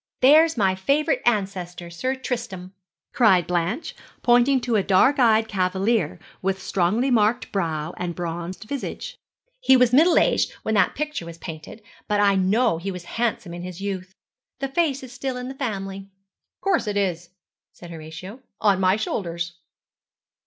'There's my favourite ancestor, Sir Tristram,' cried Blanche pointing to a dark eyed cavalier, with strongly marked brow and bronzed visage. 'He was middle aged when that picture was painted, but I know he was handsome in his youth. The face is still in the family.' 'Of course it is,' said Horatio 'on my shoulders.'